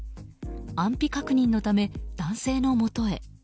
安否確認のため、男性のもとへ。